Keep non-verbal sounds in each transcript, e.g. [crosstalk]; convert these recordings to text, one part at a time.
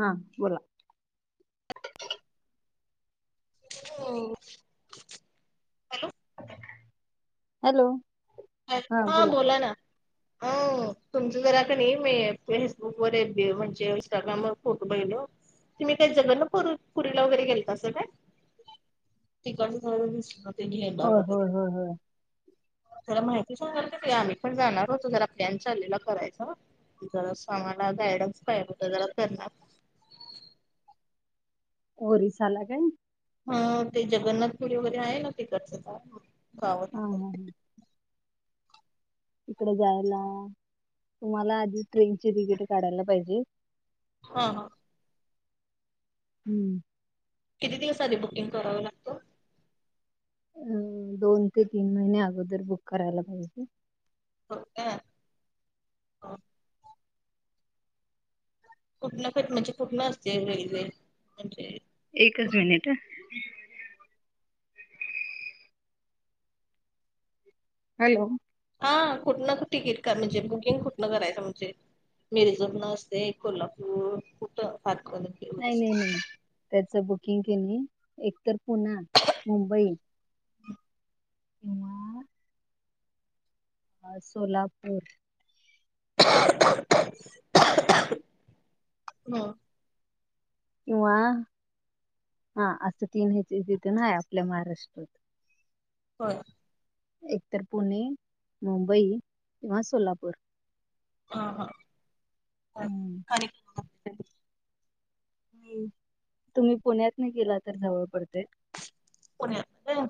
हा, बोला. हो. हॅलो हॅलो हा, बोला ना, हो. तुमचं जरा का नाही, मी फेसबुक वर म्हणजे इंस्टाग्रामवर फोटो बगितलेलो. तुम्ही काय जगन्नपुरीला वगैरे गेलतासा काय? तिकडच तेवढ दिसलं. हो हो हो हो. थोडा माहिती सांगाल का ताई आम्ही पण जाणार होतो जरा प्लॅन चाललेला करायचा. जरा सांगा ना गायडन्स पाहिजे होता जरा त्यांना उडीसाला तेन ह ते जगन्नाथपुरी वगैरे आहे ना तिकडच सगळ हम्म. इकडे जायला तुम्हाला आधी ट्रेनची तिकीट काढायला पाहिजे. हा हा. हम् [unintelligible] किती दिवस आधी बुकिंग कराव लागत? अ दोन ते तीन महिने अगोदर बुक करायला पाहिजे. हो [unintelligible] कुठन क म्हणजे कुठन असते रेल्वे म्हणजे एकच मिनिट हं हॅलो हा कुठनं तिकीट का म्हणजे बुकिंग कुठनं करायचं म्हणजे मिरजतन असतय, एक कोल्हापूर कुठ नाही नाही नाही त्याच बुकिंग कणी एकतर पुन, मुंबई हम [inaudible] किंवा [unintelligible] सोलापूर हम किंवा हा असं तीन ह्याच तिथे ना आहे आपल्या महाराष्ट्रात होय. एकतर पुणे, मुंबई किंवा सोलापूर. हा हा. हम्म [unintelligible] खारीक, खो तुम्ही पुण्यातन गेला तर जवळ पडतय. पुण्यातन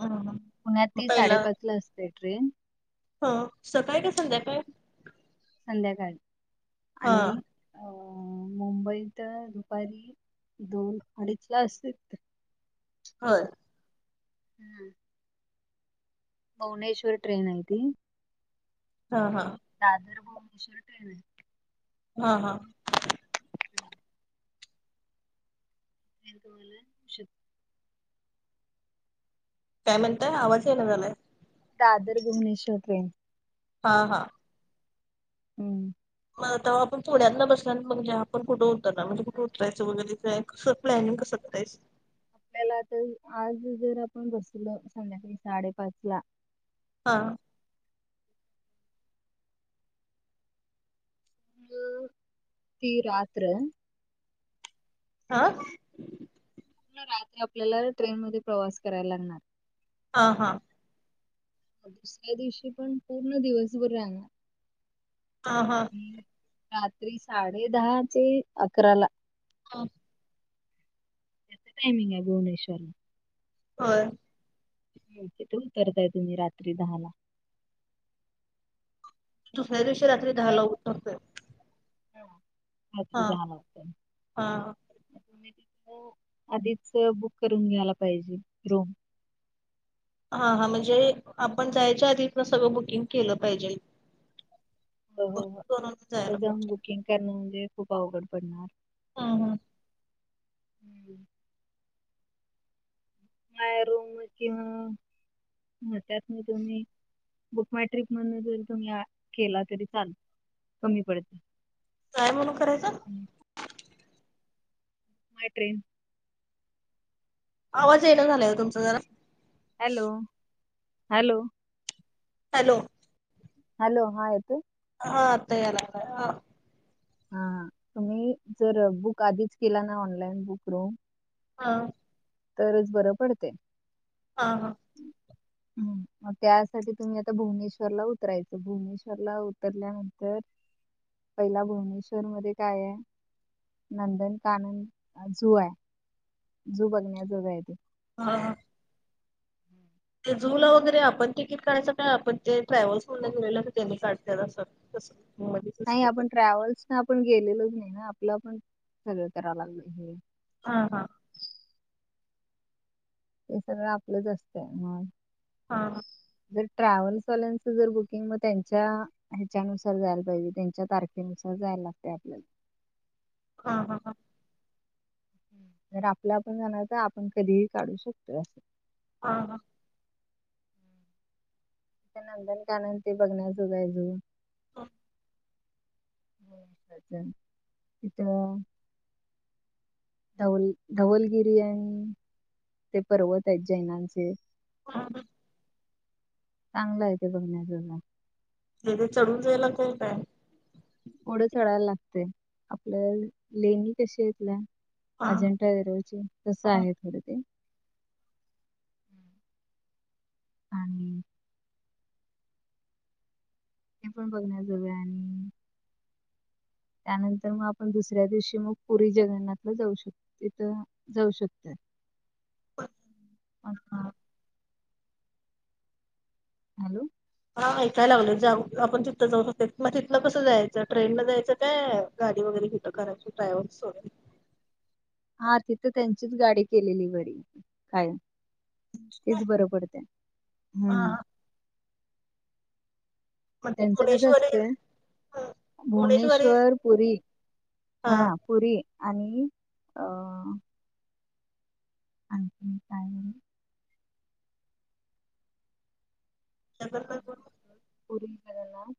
हम्म. पुण्यात मग ती पहिला साडेपाचला असते ट्रेन. हं, सकाळी काय संध्याकाळी? संध्याकाळी.. हा आणि अ.. मुंबईत दुपारी दोन अडीचला असेल, होय,? हम्म, भुवनेश्वरी ट्रेन आहे ती? हा हा, दादर भुवनेश्वर ट्रेन. हा हा.. ट्रेन तुम्हाला शु- काय म्हणताय? आवाज ये ना झालाय, दादर भुवनेश्वर ट्रेन, हां हां. हम्? मग आता आपण थोड्यांना बसल्या म्हणजे आपण कुठं उतर म्हणेुठ उतरयच वगरें आहे [unintelligible] स प्लॅनम कसतायस [inaudible] त्याल्याला तरी आज जर आपण बसलो संध्याकाळी साडेपाच ला, हां, हो.. ती रात्र हा [unintelligible] रात्री आपल्याला ट्रेन मध्ये प्रवास करायला लागणार? हां हां? दुसऱ्या दिवशी पण पूर्ण दिवसभर [inaudible] हा-हा, रात्री साडे दहाचे अकरा ला. ह? टायमिंग आहे भुवनेश्वरला. हो. तिथ उतरताय तुम्ही रात्री दहा ला. दुसऱ्या दिवशी रात्री दहा ला उतरतोय? अ त हा जात हा [inaudible] [unintelligible] आधीच बुक करून घ्यायला पाहिजे रूम हा हा म्हणजे, आपण जायच्या आधीच ना सगळं बुकिंग केल पाहिजे? हो हो हो तर जायला जाऊन पाहिजे [unintelligible] बुकिंग करण म्हणजे, खूप अवघड पडणार. हा हां, हम्म. माय रूम किंवा त्यात म तुम्ही बुक माय ट्रिप म्हण जरी तुम्ही केला तरी, चाल कमी पडते काय म्हणून करायचं [unintelligible] माय मा ट्रेन, आवाज येयला झाला होय तुमचा जरा. हॅलो, हॅलो हॅलो.. हॅलो,.. हा येत ह आता याय लागलाय? हा तुम्ही जर बुक आधीच केला ना ऑनलाईन बुक रूम हा. तरच बरं पडते. हा हा. म त्यासाठी तुम्ही आता भुवनेश्वरला उतरायचं भुवनेश्वरला उतरल्यानंतर पहिला भुवनेश्वर मध्ये काय आहे. नंदन कानन जू आहे जू बघण्याजोग आहेत. हं. ते जूला वगैरे आपण तिकीट काढयचं का आपण ते ट्रॅव्हल्स हो. गेलेलं त्यांनी काढ [unintelligible] नाही आपण ट्रॅव्हल्स ना आपण गेलेलोच नाही ना आपलं आपण सगळं करावं लागलं. हा हा. ते सगळ आपलंच असतं हा. हां हा. ते ट्रॅव्हल्सवाल्यांचं जर बुकिंग म त्यांच्या ह्याच्यानुसार जायला पाहिजे त्यांच्या तारखेनुसार जायला लागते आपल्याला. हा हा हां. जर आपल्या आपण जाणार आपण कधीही काढू शकतो अस हां हां. [unintelligible] ते बघण्या जोग आहे अजून [unintelligible] छ [unintelligible] धवल धवलगिरीय ते पर्वत आहेत जैनांचे हा हा. चांगलं हाय ते बघण्या [unintelligible] तिथे चढून गेला की काय. थोडं चढायला लागतयं आपलं लेनी कशी येतीया. हा अजिंठा वेरूळ ची तसं हा आहे थोड ते ह आणि ते पण बघण्या जोग आहे. त्यानंतर मग आपण दुसऱ्या दिवशी मग पुरी जगन्नाथला जाऊ शको तिथं जाऊ शकतो. हा. हॅलो. हा ऐकाय लागलोय जाऊन आपण तिथं जाऊ शकतोय मग तिथलं कसं जायचं ट्रेनल जायचं काय गाडी वगैरेे हित करायची ड्रायव्हरस [unintelligible] हा तिथं त्यांचीच गाडी केलेली बरी कायम तेच बरं पडतय हा हम्म मग त्यांचं कसं भुवनेश्वरी असतंय भुवनेश्वरी भुवनेश्वर पुुरी हा पुरी आणि अ आणखी काय नाही. त्या [unintelligible] पुरी जगन्नाथ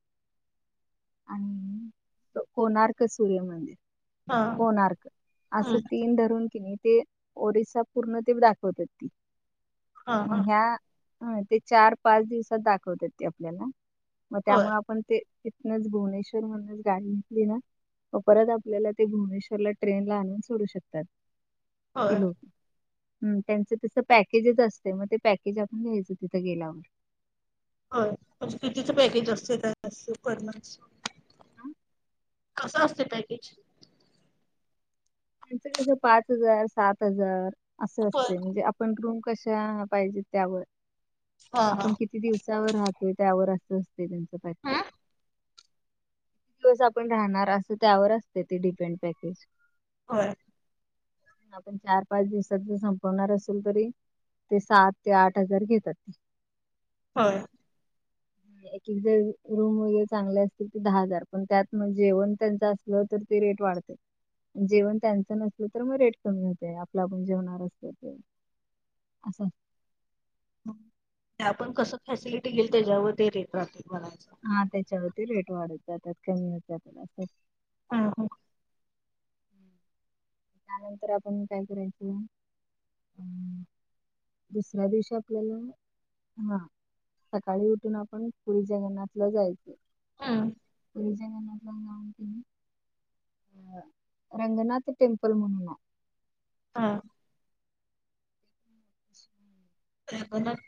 आणि कोणार का सूर्यमंदिर हा कोणार्क असं हम्म तीन धरुण कि नाही ते ओरिसा पूर्ण ते दाखवत्यात ती, हा मग हा ह्या हा ते चार पाच दिवसात दाखवत्यात ती आपल्याला. म होय त्यामुळे आपण ते तिथनच भुवनेश्वर मधनच गाडी घेतली ना म परत आपल्याला ते भुवनेश्वरला ट्रेन ला आणून सोडू शकतात, ती होय लोक हम् त्यांच तसं पॅकेजच असतय मग ते पॅकेज आपण घ्यायचं तिथं गेल्यावर. होय म्हणजे कितीचं पॅकेज हम्म. असतंय? [unintelligible] [inaudible] कसं असतय पॅकेज? त्यांच कस पाच हजार, सात हजार असं होय असतय म्हणजे आप पण रूम कश्या पाहिजेत त्यावर, हा हा आपण कित किती दिवसावर राहतोय त्यावर असं असतय त्यांचं पॅकेज. हम्म किती दिवस आपण राहणार असं त्यावर असतय ते डिपेंड पॅकेज. होय. आपण चार पाच दिवसात जर संपवणार असल तरी ते सात ते आठ हजार घेतात. होय. ऐकेक जर रूम वगैरे चांगले असतील ते दहा हजार, पण त्यात म जेवण त्यांचा असलं तर ते रेट वाढते. जेवण त्यांचं नसल तर मग रेट कमी होतय, आपलं आपण जेवणार असल तर. असं ते आपण कसं फॅसिलिटी घेईल त्याच्यावर ते रेट राहतील म्हनायचं. हा त्याच्यावरती रेट वाढत जातात, कमी होत जात. हम्म हम्म. त्यानंतर आपण काय करायचं अं [inaudible] दुसऱ्या दिवशी आपल्याला हा सकाळी उठून आपण कुळी जगन्नाथला जायचं. हां. कुळी जगनाथला जाऊन कणी अ रंगनाथ टेम्पल म्हणून हाय हा.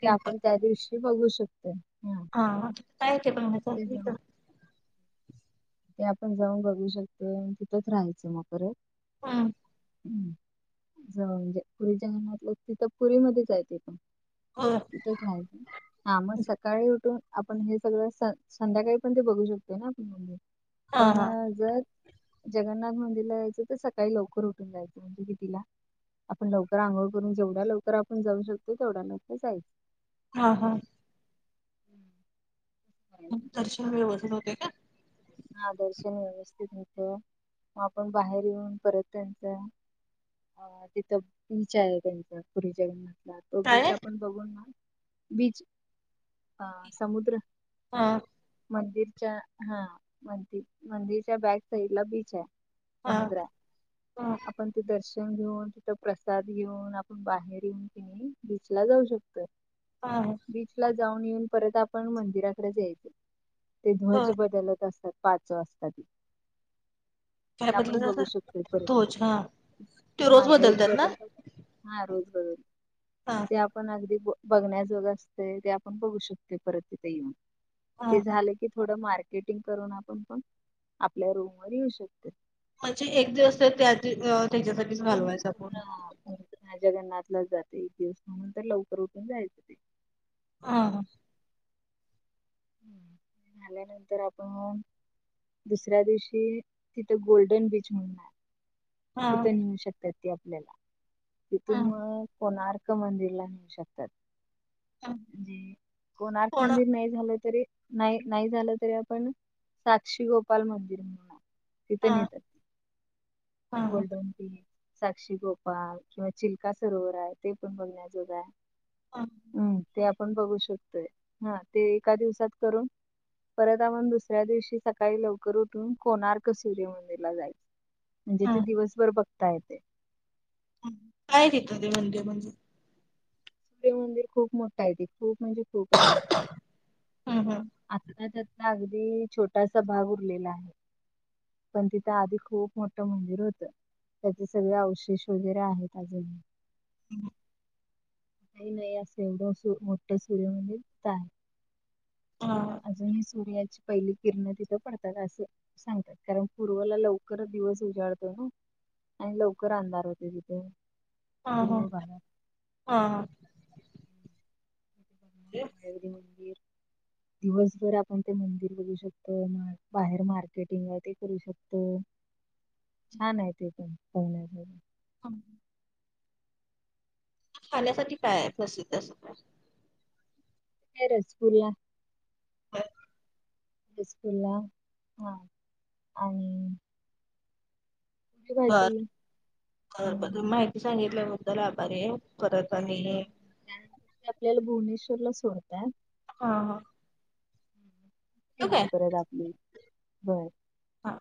ते आपण त्या दिवशी बघू शकतोय. हा काय जाऊ बनवायचं [unintelligible] ते आपण जाऊन बघू शकते तिथंच राहायचं मग परत हम्म. हम्म जाऊंदे म्हणजे पुरी जंगणाथलं तिथ पुरी मध्ये आहे ते पण. होय. तिथेच हाय हा मग सकाळी उठून आपण हे सगळं संध्याकाळी पण ते बघू शकतोय ना आपण मंदिर. हा पण हा जर जगन्नाथ मंदिरला जायचं तर सकाळी लवकर उठून जायचं, म्हणजे कितीला? आपण लवकर आंघोळ करून जेवढ्या लवकर आपण जाऊ शकतोय तेवढ्या लवकर जायच. हा हा. मुख करायचं. दर्शन व्यवस्थित होते काय? हा दर्शन व्यवस्थित होत, म आपण बाहेर येऊन परत त्यांच अ तिथं बीच आहे त्यांच पुरीच्यागना तो काय बीच आपण बघून ना. बीच आ समुद्र. हा. मंदिरच्या हा. मंदि- मंदिरच्या बॅक साइडला, बीचाय. हा समुद्राय. हा आपण ते दर्शन घेऊन, तिथं प्रसाद घेऊन, आपण बाहेर येऊन, ति आणि बीच ला जाऊ शकतोय. हा. बीच ला जाऊन येऊन परत आपण मंदिराकडेच यायचं. ते ध्वज हो बदलत असत पाच वासता ती. काय ते आपण बदलत बघू असं शकतोय परत. तोच हा ते रोज हा ध्वज बदलतात ना बदलत हा, रोज बदल हा. ते हा आपण अगदी ब बघण्याजोगं असतंय. ते आपण बघू शकतोय, परत तिथं येऊन. हा ते हा झालं की, थोडं मार्केटिंग करून आपण पण आपल्या रूमवर येऊ शक- म्हणजे एक दिवस तर त्या ती अ त्याच्यासाठी पूर्ण- पूर्ण, जगन्नाथला जाते एक दिवस. म्हणून तर लवकर उठून जायचं ते. हा, हा. हम्म. झाल्यानंतर आपण दुसऱ्या दिवशी, तिथं गोल्डन बीच म्हणून हाय. हा तिथं नेऊ शकतात ते आपल्याला. हा तिथून मग कोणार्क मंदिर ला नेऊ शकतात. हा जी, कोणार्क कोण मंदिर नाही झालं तरी, नाही नाही झालं, तरी आपण साक्षी गोपाल मंदिर म्हणून आ तिथं हा नेतात. हा गोल्डन ते साक्षी गोपाल, किंवा चिलका सरोवर हाय. ते पण बघण्याजोगाय. हा हम्म, ते आपण बघू शकतोय. हा, ते एका दिवसात करून परत आपण दुसऱ्या दिवशी सकाळी लवकर उठून कोणार्क सूर्य मंदिरला जाय म्हणजे हा ते दिवसभर बघता येते. हम्म, हम्म. काय आहे तिथं ते मंदिर म्हणजे? ते मंदिर खूप मोठाय. ते खूप म्हणजे खूपच मोठाय. ह ह आत् अन् त्यातला अगदी, छोटासा भाग उरलेला आहे. पण तिथं आधी खूप मोठं मंदिर होतं. त्याचे सगळे अवशेष वगैरे आहेत अजून. हम्. काई नाई असं, एवढं असं मोठ सूर्य मंदिर त आहे हा. अजूनही सूर्याची पहिली किरण तिथं पडतात, असे सांगतात. कारण पूर्वला लवकर दिवस उजाडतो ना. आणि लवकर अंधार होते तिथे. हा, हा. पूर्व भागात. हा. [unintelligible] मंदिर. दिवसभर आपण ते मंदिर बघू शकतो. बाहेर मार्केटिंग आहे ते करू शक तो. छान आहे ते पण, पाहण्यासाठी. हा. खाण्यासाठी काय आहे, प्रसिद्ध असं? काय रसगुल्ला? काय? बिस्कूलला हा आणि पुरी बर भाजी बर बर हम्म. माहिती सांगितल्याबद्दल आभारी आहे. परत आनी त्यानंतर आपल्याला भुवनेश्वरला सोडत्यात. हा हा. हे ठेवू नाही काय? परत आपली. बर. हा.